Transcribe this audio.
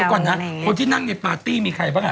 เดี๋ยวก่อนนะคนที่นั่งในปาร์ตี้มีใครบ้างอ่ะ